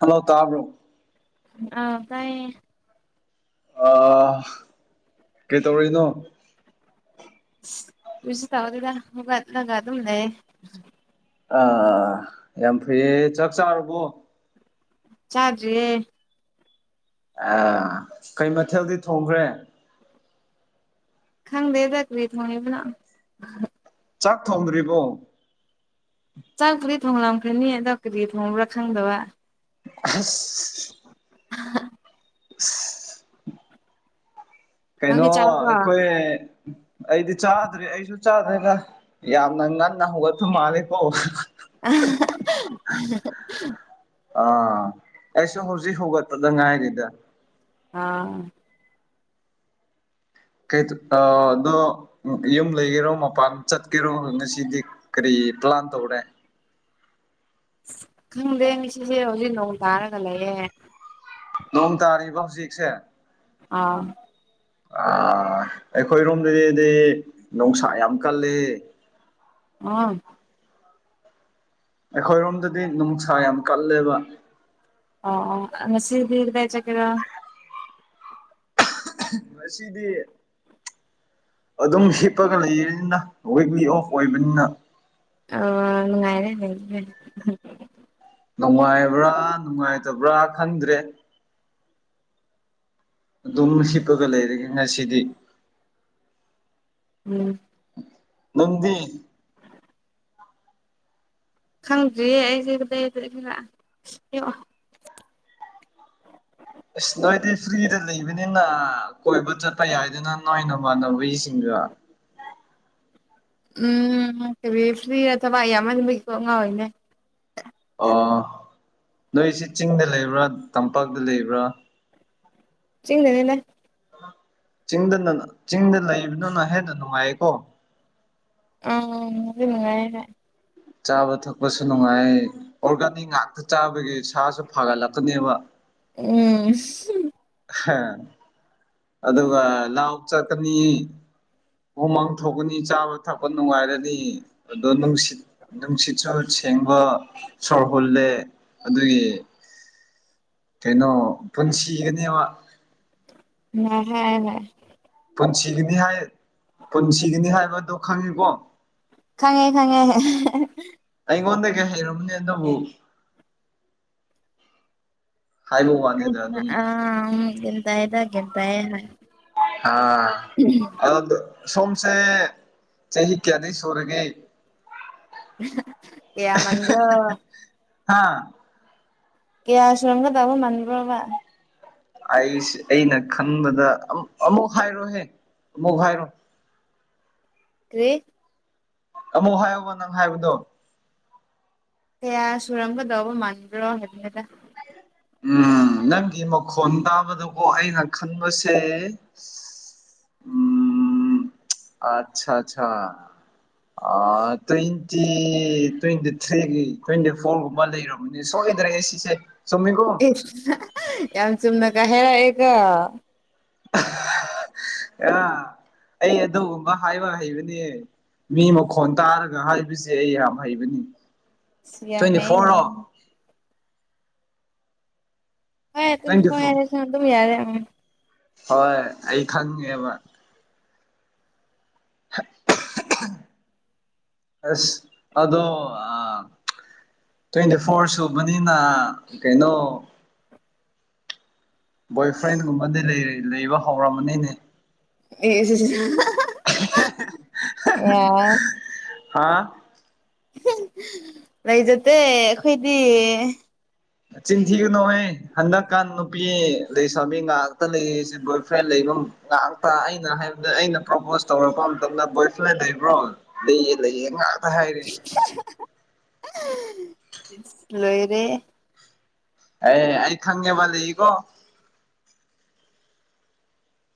Hello ꯇꯥꯕ꯭ꯔꯣ ꯑꯧ ꯇꯥꯏꯌꯦ ꯑ ꯀꯩ ꯇꯧꯔꯤꯅꯣ ꯑꯁ ꯀꯩꯁꯨ ꯇꯧꯗꯦꯗ ꯍꯧꯒꯠꯂꯒ ꯑꯗꯨꯝ ꯂꯩꯌꯦ ꯑꯥ ꯌꯥꯝ ꯐꯩꯌꯦ ꯆꯥꯛ ꯆꯥꯔꯕꯣ ꯆꯥꯗ꯭ꯔꯤ ꯑ ꯀꯩ ꯃꯊꯦꯜꯗꯤ ꯊꯣꯡꯈ꯭ꯔꯦ ꯈꯪꯗꯦꯗ ꯀꯩ ꯊꯣꯡꯉꯤꯕꯅꯣ ꯆꯥꯛ ꯊꯣꯡꯗ꯭ꯔꯤꯕꯣ ꯆꯥꯛ ꯄꯨꯗꯤ ꯊꯣꯡꯂꯝꯈꯅꯤ ꯑꯗ ꯀꯔꯤ ꯊꯣꯡꯕ꯭ꯔꯥ ꯈꯪꯗꯕ ꯑꯁ [inaudible] [inaudible] ꯀꯩꯅꯣ ꯅꯪꯗꯤ ꯆꯥꯔꯕꯣ ꯑꯩꯈꯣꯏ ꯑꯩꯗꯤ ꯆꯥꯗ꯭ꯔꯦ ꯑꯩꯁꯨ ꯆꯥꯗ꯭ꯔꯒ ꯌꯥꯝꯅ ꯉꯟꯅ ꯍꯧꯒꯠꯄ ꯃꯥꯜꯂꯦꯀꯣ [inaudible] ꯑꯥ ꯑꯩꯁꯨ ꯍꯧꯖꯤꯛ ꯍꯧꯒꯠꯄꯗ ꯉꯥꯏꯔꯤꯗ ꯑꯥ ꯀꯩ ꯑꯗꯣ ꯎ ꯌꯨꯝ ꯂꯩꯒꯦꯔꯣ ꯃꯄꯥꯟ ꯆꯠꯀꯦꯔꯣ ꯉꯁꯤꯗꯤ ꯀꯔꯤ ꯄ꯭ꯂꯥꯟ ꯇꯧꯔꯦ ꯈꯪꯗꯦ ꯉꯁꯤꯁꯦ ꯍꯧꯖꯤꯛ ꯅꯣꯡ ꯇꯥꯔꯒ ꯂꯩꯌꯦ ꯅꯣꯡ ꯇꯥꯔꯤꯕ ꯍꯧꯖꯤꯛꯁꯦ ꯑꯥ ꯑ ꯑꯩꯈꯣꯏꯔꯣꯝꯗꯗꯤꯗꯤ ꯅꯨꯡꯁꯥ ꯌꯥꯝ ꯀꯜꯂꯤ ꯑꯥ ꯑꯩꯈꯣꯏꯔꯣꯝꯗꯗꯤ ꯅꯨꯡꯁꯥ ꯌꯥꯝ ꯀꯜꯂꯦꯕ ꯑꯥꯑꯣ ꯉꯁꯤꯗꯤ ꯀꯗꯥꯏ ꯆꯠꯀꯦꯔꯥ ꯉꯁꯤꯗꯤ ꯑꯗꯨꯝ ꯍꯤꯞꯄꯒ ꯂꯩꯔꯅꯤꯅ ꯋꯤꯛꯂꯤ ꯑꯣꯐ ꯑꯣꯏꯕꯅꯤꯅ ꯑ ꯅꯨꯡꯉꯥꯏꯔꯦ [unintelligible] ꯅꯨꯡꯉꯥꯏꯕ꯭ꯔꯥ ꯅꯨꯡꯉꯥꯏꯇꯕ꯭ꯔꯥ ꯈꯪꯗ꯭ꯔꯦ ꯑꯗꯨꯝ ꯍꯤꯞꯄꯒ ꯂꯩꯔꯒꯦ ꯉꯁꯤꯗꯤ ꯎꯝ ꯅꯡꯗꯤ ꯈꯪꯗ꯭ꯔꯤꯌꯦ ꯑꯩꯁꯦ ꯀꯗꯩ [unintelligible] ꯑꯌꯣ ꯑꯁ ꯅꯣꯏꯗꯤ ꯐ꯭ꯔꯤꯗ ꯂꯩꯕꯅꯤꯅ ꯀꯣꯏꯕ ꯆꯠꯄ ꯌꯥꯏꯗꯅ ꯅꯣꯏ ꯅꯃꯥꯟꯅꯕꯤꯁꯤꯡꯒ ꯎꯝ ꯀꯔꯤ ꯐ꯭ꯔꯤꯗ ꯊꯕꯥꯛ ꯌꯥꯝꯃꯟꯕꯒꯤ ꯀꯣꯛ ꯉꯥꯎꯔꯤꯅꯦ ꯑꯣ ꯅꯣꯏꯁꯤ ꯆꯤꯡꯗ ꯂꯩꯕ꯭ꯔꯥ ꯇꯝꯄꯥꯛꯇ ꯂꯩꯕ꯭ꯔꯥ ꯆꯤꯡꯗꯅꯦꯅ ꯆꯤꯡꯗ ꯆꯤꯡꯗ ꯂꯩꯕꯗꯨꯅ ꯍꯦꯟꯅ ꯅꯨꯡꯉꯥꯏꯌꯦꯀꯣ ꯎꯝ ꯑꯗꯨ ꯅꯨꯡꯉꯥꯏꯔꯦ ꯆꯥꯕ ꯊꯛꯄꯁꯨ ꯅꯨꯡꯉꯥꯏ ꯑꯣꯔꯒꯥꯅꯤꯛ ꯉꯥꯛꯇ ꯆꯥꯕꯒꯤ ꯁꯥꯁꯨ ꯐꯒꯠꯂꯛꯀꯅꯦꯕ ꯎꯝ ꯑꯗꯨꯒ ꯂꯥꯎ ꯆꯠꯀꯅꯤ ꯍꯣꯃꯥꯡ ꯊꯣꯛꯀꯅꯤ ꯆꯥꯕ ꯊꯛꯄ ꯅꯨꯡꯉꯥꯏꯔꯅꯤ ꯑꯗꯣ ꯅꯨꯡꯁꯤꯠ ꯅꯨꯡꯁꯤꯠꯁꯨ ꯁꯦꯡꯕ ꯁꯣꯔ ꯍꯨꯜꯂꯦ ꯑꯗꯨꯒꯤ ꯀꯩꯅꯣ ꯄꯨꯟꯁꯤꯒꯅꯦꯕ ꯍꯥꯏ ꯍꯥꯏ ꯄꯨꯟꯁꯤꯒꯅꯤ ꯍꯥꯏ ꯄꯨꯟꯁꯤꯒꯅꯤ ꯍꯥꯏꯕꯗꯣ ꯈꯪꯉꯤꯀꯣ ꯈꯪꯉꯦ ꯈꯉꯦ ꯑꯩꯉꯣꯟꯗ ꯀꯩ ꯍꯩꯔꯝꯅꯦ ꯑꯗꯨꯕꯨ ꯍꯥꯏꯕ ꯋꯥꯅꯤꯗ ꯑꯗꯨꯝ ꯑ ꯒꯤꯇꯑꯗ ꯒꯤꯇꯑ ꯍꯥꯏ ꯑ ꯑ ꯁꯣꯝꯁꯦ ꯆꯍꯤ ꯀꯌꯥꯗꯤ ꯁꯣꯔꯒꯤ ꯀꯌꯥ ꯃꯟꯕ꯭ꯔꯣ ꯍꯥꯥ ꯒꯌꯥ ꯁꯨꯔꯝꯒ ꯇꯕ ꯃꯥꯟꯕꯗ꯭ꯔꯣꯕ ꯑꯩꯁ ꯑꯩꯅ ꯈꯟꯕꯗ ꯑꯃꯨꯛ ꯍꯥꯏꯔꯣꯍꯦ ꯑꯃꯨꯛ ꯍꯥꯏꯔꯣ ꯀꯦ ꯑꯃꯨꯛ ꯍꯥꯏꯌꯣꯕ ꯅꯪ ꯍꯥꯏꯕꯗꯣ ꯀꯌꯥ ꯁꯨꯔꯝꯒꯗꯧꯕ ꯃꯥꯟꯕ꯭ꯔꯣ ꯍꯥꯏꯗꯤ ꯈꯦꯛꯇ ꯎꯝ ꯅꯪꯒꯤ ꯃꯈꯣꯟ ꯇꯥꯕꯗꯨꯀꯣ ꯑꯩꯅ ꯈꯟꯕꯁꯦ [inaudible] ꯑꯠꯆꯥ ꯑꯆꯥ ꯇ꯭ꯋꯦꯟꯇꯤ ꯇ꯭ꯋꯦꯟꯇꯤ ꯊ꯭ꯔꯤꯒꯤ ꯇ꯭ꯋꯦꯟꯇꯤ ꯐꯣꯔꯒꯨꯝꯕ ꯂꯩꯔꯝ ꯁꯣꯏꯗ꯭ꯔꯦ ꯁꯤꯁꯦ ꯆꯨꯝꯃꯤꯒꯣ ꯌꯥꯝ ꯆꯨꯝꯅꯒ ꯍꯦꯔꯛꯑꯦꯀꯣ ꯎ ꯑ ꯑꯩ ꯑꯗꯨꯒꯨꯝꯕ ꯍꯥꯏꯕ ꯍꯩꯕꯅꯦ ꯃꯤ ꯃꯈꯣꯟ ꯇꯥꯔꯒ ꯍꯥꯏꯕꯁꯦ ꯑꯩ ꯌꯥꯝ ꯍꯩꯕꯅꯤ ꯁꯤ ꯇ꯭ꯋꯦꯟꯇꯤ ꯌꯥꯝꯦꯝ ꯐꯣꯔꯔꯣ ꯍꯅꯦ ꯇ꯭ꯋꯦꯟꯇꯤ ꯐꯣꯔ ꯑꯗꯨꯝ ꯌꯥꯔꯦ ꯑꯝ ꯍꯣꯏ ꯑꯩ ꯈꯪꯉꯦꯕ ꯑꯁ ꯑꯗꯣ ꯑ ꯇ꯭ꯋꯦꯟꯇꯤ ꯐꯣꯔ ꯁꯨꯕꯅꯤꯅ ꯀꯩꯅꯣ ꯕꯣꯏ ꯐ꯭ꯔꯦꯟꯒꯨꯝꯕꯗꯤ ꯂꯩ ꯂꯩꯕ ꯍꯧꯔꯝꯃꯅꯤꯅꯦ ꯑꯦ ꯑ ꯍꯥ ꯂꯩꯖꯗꯦ ꯑꯩꯈꯣꯏꯗꯤ ꯆꯤꯡꯊꯤꯒꯅꯨꯍ ꯍꯟꯗꯛꯀꯥꯟ ꯅꯨꯄꯤ ꯂꯩꯁ꯭ꯃꯤ ꯉꯥꯏꯍꯥꯛꯇ ꯂꯩꯔꯤꯁꯦ ꯕꯣꯏ ꯐ꯭ꯔꯦꯟ ꯂꯩꯕ ꯉꯥꯏꯍꯥꯛꯇ ꯑꯩꯅ ꯍꯥꯏꯕꯗ ꯑꯩꯅ ꯄ꯭ꯔꯣꯄꯣꯁ ꯇꯧꯔꯛꯄ ꯃꯇꯝꯗ ꯕꯣꯏ ꯐ꯭ꯔꯦꯟ ꯂꯩꯕ꯭ꯔꯣ ꯂꯩꯌꯦ ꯂꯩꯌꯦ ꯉ ꯍꯥ ꯍꯥ ꯍꯥ ꯏꯁ ꯂꯣꯏꯔꯦ꯫ ꯑꯦ ꯑꯩ ꯈꯪꯉꯦꯕ ꯂꯩꯀꯣ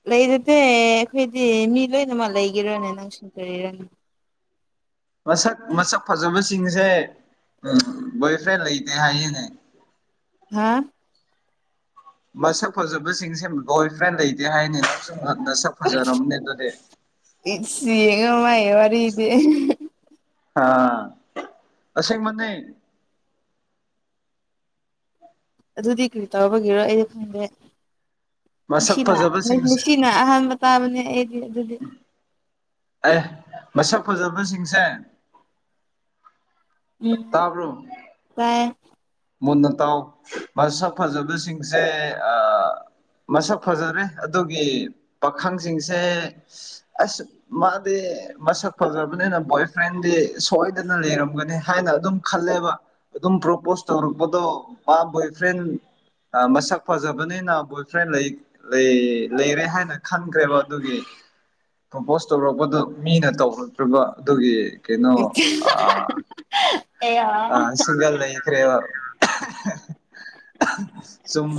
ꯂꯩꯗꯨꯗꯤ ꯑꯩꯈꯣꯏꯗꯤ ꯃꯤ ꯂꯣꯏꯅꯃꯛ ꯂꯩꯒꯦꯔꯅꯦ ꯅꯪꯁꯨ ꯀꯔꯤꯔꯅꯦ꯫ ꯃꯁꯛ ꯃꯁꯛ ꯐꯖꯕꯁꯤꯡꯁꯦ ꯕꯣꯏꯐ꯭ꯔꯦꯟ ꯂꯩꯇꯦ ꯍꯥꯏꯁꯤꯅꯦ ꯍꯥꯥ꯫ ꯃꯁꯛ ꯐꯖꯕꯁꯤꯡꯁꯦ ꯕꯣꯏ ꯐ꯭ꯔꯦꯟ ꯂꯩꯇꯦ ꯍꯥꯏꯅꯤ ꯁꯨꯝ ꯏꯁꯤ ꯌꯦꯉꯃ ꯑꯦ ꯋꯥꯔꯤꯔ ꯏꯗꯤ ꯍꯥꯥ ꯑꯁꯦ ꯃꯩ ꯑꯗꯨꯗꯤ ꯀꯔꯤ ꯇꯧꯔꯕꯒꯤꯔꯣ ꯑꯩꯗꯤ ꯈꯪꯗꯦ ꯃꯁꯛ ꯁꯤꯅ ꯐꯖꯕꯁꯤꯡꯁꯦ ꯁꯤꯅ ꯑꯍꯥꯟꯕ꯫ ꯇ ꯃꯅꯤ ꯑꯦꯗꯤ ꯑꯗꯨꯗꯤ꯫ ꯑꯦ ꯃꯁꯛ ꯐꯖꯕꯁꯤꯡꯁꯦ ꯎꯝ ꯇꯥꯕ꯭ꯔꯣ ꯇꯥꯏ ꯃꯨꯟꯅ ꯇꯥꯎ ꯃꯁꯛ ꯐꯖꯕꯤꯁꯤꯡꯁꯦ꯫ ꯃꯁꯛ ꯐꯖꯔꯦ ꯑꯗꯨꯒꯤ ꯄꯥꯈꯪꯁꯤꯡꯁꯦ ꯑꯁ꯫ ꯃꯥꯗꯤ ꯃꯁꯛ ꯐꯖꯕꯅꯤꯅ ꯕꯣꯏꯐ꯭ꯔꯦꯟꯗꯤ ꯁꯣꯏꯗꯅ ꯂꯩꯔꯝꯒꯅꯤ ꯍꯥꯏꯅ ꯑꯗꯨꯝ ꯈꯜꯂꯦꯕ꯫ ꯑꯗꯨꯝ ꯄ꯭ꯔꯣꯄꯣꯁ ꯇꯧꯔꯛꯄꯗꯣ ꯃꯥ ꯕꯣꯏꯐ꯭ꯔꯦꯟ꯫ ꯃꯁꯛ ꯐꯖꯕꯅꯤꯅ ꯕꯣꯏꯐ꯭ꯔꯦꯟ ꯂꯩ꯫ ꯂꯩ ꯂꯩꯔꯦ ꯍꯥꯏꯅ ꯈꯟꯈ꯭ꯔꯦꯕ ꯑꯗꯨꯒꯤ ꯄ꯭ꯔꯣꯄꯣꯁ ꯇꯧꯔꯛꯄꯗꯨ ꯃꯤꯅ ꯇꯧꯔꯛꯇ꯭ꯔꯤꯕ ꯑꯗꯨꯒꯤ ꯀꯩꯅꯣ꯫ ꯑꯦ꯫ ꯁꯤꯡꯒꯥ ꯂꯩꯈ꯭ꯔꯦꯕ ꯁꯨꯝ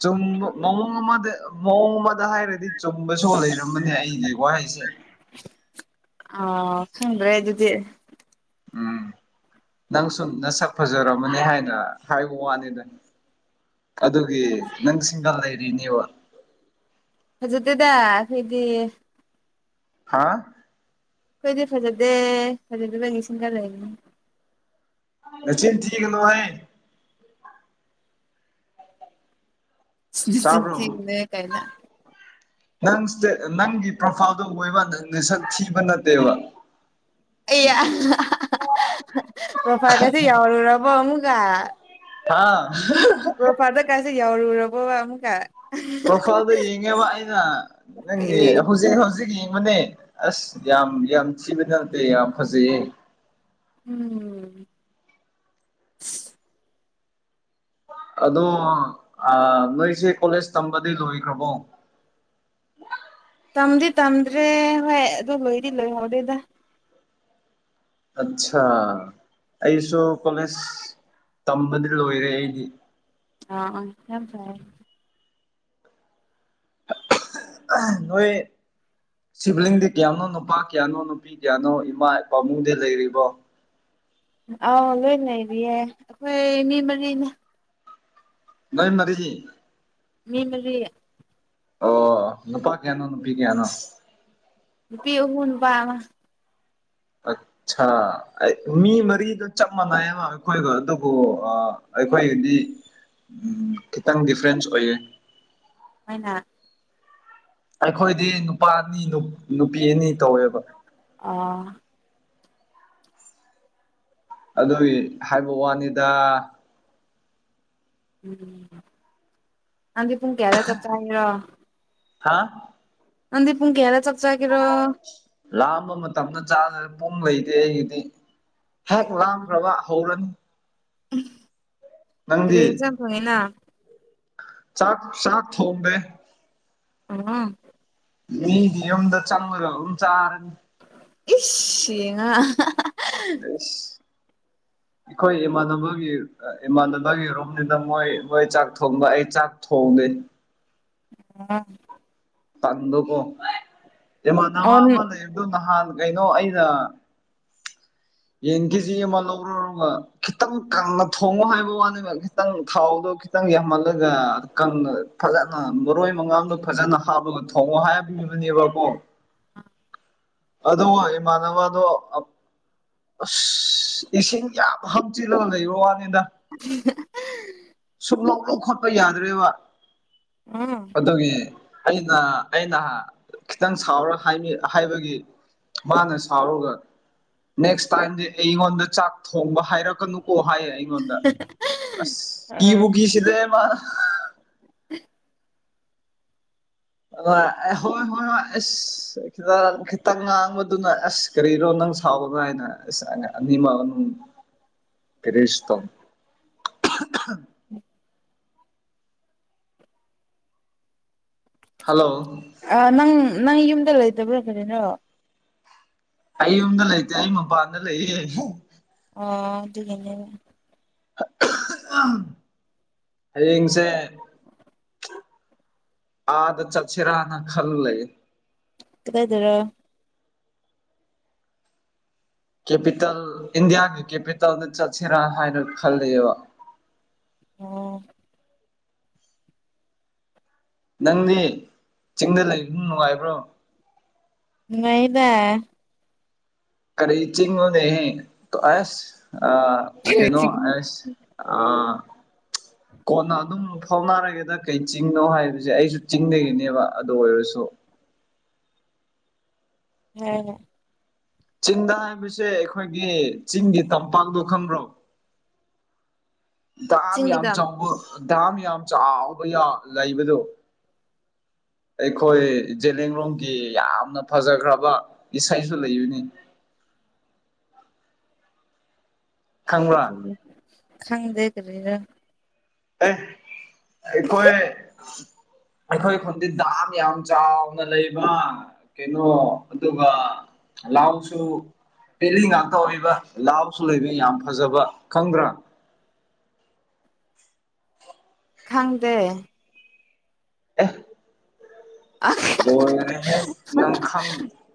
ꯆꯨꯝꯕ ꯃꯑꯣꯡ ꯑꯃꯗ ꯃꯑꯣꯡ ꯑꯃꯗ ꯍꯥꯏꯔꯗꯤ ꯆꯨꯝꯕꯁꯨ ꯂꯩꯔꯝꯕꯅꯦ ꯑꯩꯒꯤ ꯋꯥꯍꯩꯁꯦ꯫ ꯑ ꯈꯪꯗ꯭ꯔꯦ ꯑꯗꯨꯗꯤ ꯎꯝ ꯅꯪ ꯁꯨꯝ ꯅꯁꯛ ꯐꯖꯔꯝꯃꯅꯤ ꯍꯥꯏꯅ ꯍꯥꯏꯕ ꯋꯥꯅꯤꯗ꯫ ꯑꯗꯨꯒꯤ ꯅꯪ ꯁꯤꯡꯒꯜ ꯂꯩꯔꯤꯅꯦꯕ꯫ ꯐꯖꯗꯦꯗ ꯍꯥꯏꯗꯤ ꯍꯥꯥ ꯑꯩꯈꯣꯏꯗꯤ ꯐꯖꯗꯦ ꯐꯖꯗꯕ ꯅꯤꯡꯁꯤꯡꯟꯒꯔ ꯂꯩꯅꯤ ꯅꯆꯤꯟ ꯊꯤꯒꯅꯨꯍꯦ꯫ ꯇꯥꯕ꯭ꯔꯣ ꯊꯂ ꯀꯥꯏꯅ ꯅꯪꯁꯦ ꯅꯪꯒꯤ ꯄ꯭ꯔꯣꯐꯥꯏꯜꯗꯣ ꯑꯣꯏꯕ ꯅꯪꯁꯛ ꯊꯤꯕ ꯅꯠꯇꯦꯕ꯫ ꯑꯩ ꯄ꯭ꯔꯣꯐꯥꯒꯁꯨ ꯌꯥꯎꯔꯨꯔꯕꯣ ꯑꯃꯨꯛꯀ ꯍꯥꯥ꯫ ꯀꯁꯦ ꯌꯥꯎꯔꯨꯔꯕꯣ ꯑꯃꯨꯛꯀ꯫ ꯄ꯭ꯔꯣꯐꯥꯏꯜꯗ ꯌꯦꯡꯉꯦꯕ ꯑꯩꯅ ꯅꯪ ꯏꯁ ꯍꯧꯖꯤꯛ ꯍꯧꯖꯤꯛ ꯌꯦꯡꯕꯅꯦ ꯑꯁ ꯌꯥꯝ ꯌꯥꯝ ꯊꯤꯕꯗ ꯅꯠꯇꯦ ꯌꯥꯝ ꯐꯖꯩꯌꯦ ꯎꯝ꯫ ꯑꯗꯣ ꯅꯣꯏꯁꯦ ꯀꯣꯂꯦꯖ ꯇꯝꯕꯗꯤ ꯂꯣꯏꯈ꯭ꯔꯕꯣ꯫ ꯇꯝꯗꯤ ꯇꯝꯗ꯭ꯔꯦ ꯍꯣꯏ ꯑꯗꯨ ꯂꯣꯏꯗꯤ ꯂꯣꯏꯍꯧꯗꯦꯗ꯫ ꯑꯠꯆꯥꯥ ꯑꯩꯁꯨ ꯀꯣꯂꯦꯖ ꯇꯝꯕꯗꯤ ꯂꯣꯏꯔꯦ ꯑꯩꯗꯤ꯫ ꯑ ꯌꯥꯝ ꯐꯔꯦ꯫ ꯅꯣꯏ ꯁꯤꯕ꯭ꯂꯤꯡꯗꯤ ꯀꯌꯥꯅꯣ ꯅꯨꯄꯥ ꯀꯌꯥꯅꯣ ꯅꯨꯄꯤ ꯀꯌꯥꯅꯣ ꯏꯃꯥ ꯏꯄꯥꯥꯃꯨꯡꯗꯤ ꯂꯩꯔꯤꯕꯣ ꯑꯥꯎ ꯂꯣꯏ ꯂꯩꯔꯤꯌꯦ ꯑꯩꯈꯣꯏ ꯃꯤ ꯃꯔꯤꯅ ꯅꯣꯏ ꯃꯔꯤ꯫ ꯃꯤ ꯃꯔꯤ꯫ ꯑꯣ ꯅꯨꯄꯥ ꯀꯌꯥꯅꯣ ꯅꯨꯄꯤ ꯀꯌꯥꯅꯣ꯫ ꯅꯨꯄꯤ ꯑꯍꯨꯝ ꯅꯨꯄꯥ ꯑꯃ꯫ ꯑ ꯃꯤ ꯃꯔꯤꯗ ꯆꯞ ꯃꯥꯟꯅꯩ ꯑꯃ ꯑꯩꯈꯣꯏꯒ ꯑꯗꯨꯕꯨ ꯑꯩꯈꯣꯏꯒꯤꯗꯤ꯫ ꯎꯝ ꯈꯤꯇꯪ ꯗꯤꯐ꯭ꯔꯦꯟꯁ ꯑꯣꯏꯌꯦ ꯃꯥꯏꯅ ꯑꯩꯈꯣꯏꯗꯤ ꯅꯨꯄꯥ ꯑꯅꯤ ꯅꯨꯄꯤ ꯑꯅꯤ ꯇꯧꯋꯦꯕ ꯑꯣ꯫ ꯑꯗꯨꯒꯤ ꯍꯥꯏꯕ ꯋꯥꯅꯤꯗ ꯎꯝ ꯑꯗꯤ ꯄꯨꯡ ꯀꯌꯥ ꯍꯥꯏꯔ ꯆ ꯆꯔꯔ ꯍꯥꯥ ꯑꯟꯗꯤ ꯄꯨꯨꯡ ꯀ ꯌꯥꯔ ꯆꯠꯆꯥꯒꯤꯔꯣ ꯂꯥꯝꯕ ꯃꯇꯝꯗ ꯆꯥꯗꯔ ꯄꯨꯡ ꯂꯩꯇꯦ ꯑꯩꯒꯤꯗꯤ꯫ ꯍꯦꯛ ꯑꯥ ꯂꯥꯝꯕ꯭ꯔꯕ ꯍꯧꯔꯅꯤ꯫ ꯅꯪꯗꯤ ꯀꯔꯤ ꯏꯟꯁꯥꯡ ꯊꯣꯡꯉꯤ ꯅꯪ ꯆꯥꯛ ꯆꯥꯛ ꯊꯣꯡꯕꯦ ꯎꯝ꯫ ꯃꯤꯗꯤ ꯌꯨꯝꯗ ꯆꯪꯉꯒ ꯑꯗꯨꯝ ꯆꯥꯔꯅꯤ ꯏꯁꯤ ꯉ ꯄꯨꯁ [inaudible] ꯑꯩꯈꯣꯏ ꯏꯃꯥꯟꯅꯕꯒꯤ ꯏꯃꯥꯟꯅꯕꯒꯤ ꯔꯨꯝꯅꯤꯅ ꯃꯣꯏ ꯃꯣꯏ ꯆꯥꯛ ꯊꯣꯡꯕ ꯑꯩ ꯆꯥꯛ ꯊꯣꯡꯗꯦ ꯑ ꯇꯗꯣꯀꯣ ꯑꯣ ꯎꯝ ꯃꯅꯅ ꯑꯗꯨ ꯅꯍꯥꯟ ꯀꯩꯅꯣ ꯑꯩꯅ꯫ [inaudible] ꯌꯦꯟ ꯀꯦꯖꯤ ꯑꯃ ꯂꯧꯔꯨꯔꯒ ꯈꯤꯇꯪ ꯀꯪꯅ ꯊꯣꯡꯉꯣ ꯍꯥꯏꯕ ꯋꯥꯅꯦꯕ ꯈꯤꯇꯪ ꯊꯥꯎꯗꯣ ꯈꯤꯇꯪ ꯌꯥꯝꯍꯜꯂꯒ ꯀꯪꯅ ꯐꯖꯅ ꯃꯔꯣꯏ ꯃꯉꯥꯡꯗꯣ ꯐꯖꯅ꯫ ꯊꯥꯕꯒ ꯊꯣꯡꯉꯑꯣ ꯍꯥꯏꯕꯅꯦꯕꯀꯣ ꯑꯗꯣ ꯏꯃꯥꯟꯅꯕꯗꯣ ꯑꯁ ꯏꯁꯤꯡ ꯌꯥꯝ ꯍꯥꯞꯆꯤꯜꯂꯒ ꯂꯩꯕꯣ ꯋꯥꯅꯤꯗ꯫ [unintelligible] ꯁꯨꯝꯂꯧ ꯂꯧ ꯈꯣꯠꯄ ꯌꯥꯗ꯭ꯔꯦꯕ [unintelligible] ꯑꯗꯨꯒꯤ ꯑꯩꯅ ꯑꯩꯅ ꯈꯤꯇꯪ ꯁꯥꯎꯔꯒ ꯍꯥꯏꯕꯒꯤ꯫ ꯃꯥꯅ ꯁꯥꯎꯔꯒ ꯅꯦꯛꯁ ꯇꯥꯏꯝꯗꯤ ꯑꯩꯉꯣꯟꯗ ꯆꯥꯛ ꯊꯣꯡꯕ ꯍꯥꯏꯔꯛꯀꯅꯨꯀꯣ ꯍꯥꯏꯌꯦ ꯑꯩꯉꯣꯟꯗ ꯑꯁ ꯀꯤꯕꯨ ꯑꯥ ꯀꯤꯁꯤꯜꯂꯦ ꯃꯥ꯫ ꯑ ꯍꯣꯏ ꯍꯣꯏ ꯍꯣꯏ ꯑꯁ ꯈꯤꯇꯪ ꯈꯤꯇꯪ ꯉꯥꯡꯕꯗꯨꯅ ꯑꯁ꯫ ꯀꯔꯤꯅꯣ ꯅꯪ ꯁꯥꯎꯒꯅꯨ ꯍꯥꯏꯅ ꯑꯁ ꯑꯅꯤꯃꯛ ꯑꯃ꯫ [inaudible] ꯀꯦꯔꯤꯁꯇꯣ [inaudible] ꯍꯜꯂꯣ ꯑ ꯅꯪ ꯅꯪ ꯌꯨꯝꯗ ꯂꯩꯇꯕ꯭ꯔꯥ ꯀꯔꯤꯅꯣ꯫ ꯑꯩ ꯌꯨꯝꯗ ꯂꯩꯇꯦ ꯑꯩ ꯃꯄꯥꯟꯗ ꯂꯩꯌꯦ꯫ ꯑꯣ ꯑꯗꯨꯒꯤꯅꯦꯕ꯫ ꯍꯌꯦꯡꯁꯦ ꯑꯥꯗ ꯆꯠꯁꯤꯔꯅ ꯈꯜꯂꯦ ꯀꯥꯗꯥꯏ ꯗꯔꯥ ꯀꯦꯄꯤꯇꯦꯜ ꯏꯟꯗꯤꯌꯥꯒꯤ ꯀꯦꯄꯤꯇꯜꯗ ꯆꯠꯁꯤꯔꯥ ꯍꯥꯏꯅ ꯈꯜꯂꯦꯕ [unintelligible] ꯅꯪꯗꯤ ꯆꯤꯡꯗ ꯂꯩꯕ ꯅꯨꯡꯉꯥꯏꯕ꯭ꯔꯣ ꯅꯨꯡꯉꯥꯢꯌꯦꯗꯥ ꯀꯔꯤ ꯆꯤꯡꯅꯦꯍꯦ ꯑꯩꯁ ꯑ ꯀꯩꯅꯣ ꯑꯩꯁ ꯑꯥ [inaudible] ꯀꯣꯟꯅ ꯑꯗꯨꯝ ꯐꯥꯎꯅꯔꯒꯦꯗ ꯀꯩ ꯆꯤꯡꯅꯣ ꯍꯥꯏꯕꯁꯦ ꯑꯩꯁꯨ ꯆꯤꯡꯗꯒꯤꯅꯦꯕ ꯑꯗꯨ ꯑꯣꯏꯔꯁꯨ꯫ [unintelligible] ꯆꯤꯡꯗ ꯍꯥꯏꯕꯁꯦ ꯑꯈꯣꯏꯒꯤ ꯆꯤꯡꯒꯤ ꯇꯝꯄꯥꯛꯇꯣ ꯈꯪꯕ꯭ꯔꯣ꯫ ꯗꯥꯝ ꯌꯥꯝ ꯆꯤꯡꯗ ꯆꯥꯎꯕ ꯗꯥꯝ ꯌꯥꯝ ꯆꯥꯎꯕ ꯌꯥ ꯂꯩꯕꯗꯣ ꯑꯩꯈꯣꯏ ꯖꯂꯦꯡꯂꯣꯡꯒꯤ ꯌꯥꯝꯅ ꯐꯖꯈ꯭ꯔꯕ ꯏꯁꯩꯁꯨ ꯂꯩꯕꯅꯤ꯫ ꯈꯪꯕ꯭ꯔꯥ ꯈꯪꯗꯦ ꯀꯔꯤꯔ꯫ ꯑꯦ ꯑꯩꯈꯣꯏ ꯑꯩꯈꯣꯏ ꯈꯨꯟꯗꯤ ꯗꯥꯝ ꯌꯥꯝ ꯆꯥꯎꯅ ꯂꯩꯕ ꯀꯩꯅꯣ ꯑꯗꯨꯒ ꯂꯥꯎꯁꯨ꯫ ꯄꯦꯂꯤ ꯉꯥꯛꯇ ꯑꯣꯏꯕ ꯂꯥꯎꯁꯨ ꯂꯩꯕ ꯌꯥꯝ ꯐꯖꯕ ꯈꯪꯗ꯭ꯔꯥ꯫ ꯈꯪꯗꯦ ꯑ‌ꯦ꯫ ꯂꯣꯏꯔꯦꯍꯦ ꯅꯪ ꯈꯪ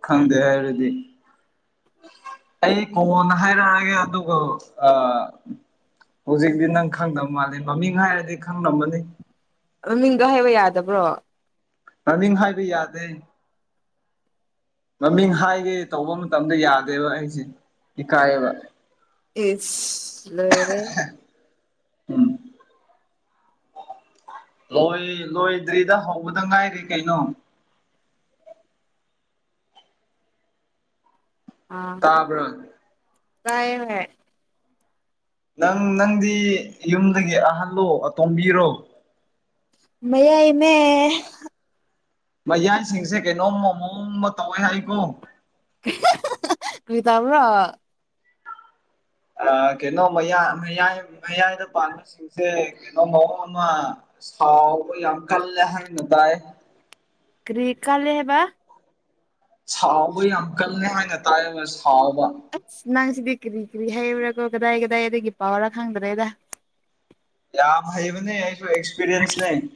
ꯈꯡꯗꯦ ꯍꯥꯏꯔꯗꯤ꯫ ꯑꯩ ꯀꯣꯟꯅ ꯍꯥꯏꯔꯛꯑꯒꯦ ꯑꯗꯨꯒ ꯑꯥ꯫ ꯍꯧꯖꯤꯛꯇꯤ ꯅꯪ ꯈꯪꯗꯕ ꯃꯥꯜꯂꯦ ꯃꯃꯤꯡ ꯍꯥꯏꯔꯗꯤ ꯈꯪꯂꯝꯃꯅꯤ ꯃꯃꯤꯡꯗꫭ ꯍꯥꯏꯕ ꯌꯥꯗꯕ꯭ꯔꯣ꯫ ꯃꯃꯤꯡ ꯍꯥꯏꯕ ꯌꯥꯗꯦ ꯃꯃꯤꯡ ꯍꯥꯏꯒꯦ ꯇꯧꯕ ꯃꯇꯝꯗ ꯌꯥꯗꯦꯕ ꯑꯩꯁꯦ ꯏꯀꯥꯏꯌꯦꯕ ꯏꯁ ꯂꯣꯏꯔꯦ ꯎꯝ ꯂꯣꯏ ꯂꯣꯏꯗ꯭ꯔꯤꯗ ꯍꯧꯕꯗ ꯉꯥꯏꯔꯤ ꯀꯩꯅꯣ꯫ ꯑꯥ ꯇꯥꯕ꯭ꯔꯥ ꯇꯥꯢꯌꯦ ꯅꯪ ꯅꯪꯗꯤ ꯌꯨꯝꯗꯥꯒꯤ ꯑꯍꯜꯂꯣ ꯑꯇꯣꯝꯕꯤꯔꯣ ꯃꯌꯥꯏ ꯅꯦ ꯃꯌꯥꯏꯁꯤꯡꯁꯦ ꯀꯩꯅꯣꯝꯃ ꯃꯑꯣꯡ ꯑꯃ ꯇꯧꯋꯦ ꯍꯥꯏꯀꯣ ꯀꯔꯤꯇꯥꯕ꯭ꯔꯣ ꯑ ꯀꯩꯅꯣ ꯃꯌꯥ ꯃꯌꯥꯏ ꯃꯌꯥꯏꯗ ꯄꯥꯟꯕ ꯁꯤꯡꯁꯦ ꯀꯩꯅꯣ ꯃꯑꯣꯡ ꯑꯃ ꯁꯥꯎꯕ ꯌꯥꯝ ꯀꯜꯂꯦ ꯍꯥꯏꯅ ꯇꯥꯏ ꯀ꯭ꯔꯤ ꯀꯜꯂꯦ ꯍꯥꯏꯕ ꯁꯥꯎꯕ ꯌꯥꯝ ꯀꯜꯂ‌ꯦ ꯍꯥꯏꯅ ꯇꯥꯏꯌꯦꯕ ꯁꯥꯎꯕ ꯑꯁ ꯅꯪ ꯁꯤꯗꯤ ꯀꯔꯤ ꯀꯔꯤ ꯍꯩꯔꯨꯔꯥꯒꯣ ꯀꯗꯥꯏ ꯀꯗꯥꯏꯗꯥꯒꯤ ꯄꯥꯎꯔꯥ ꯈꯪꯗ꯭ꯔꯦꯗꯥ ꯌꯥꯝ ꯍꯩꯕꯅꯦ ꯑꯩꯁꯨ ꯑꯦꯛꯁꯄꯤꯔꯤꯌꯦꯟꯁꯅ‌ꯦ꯫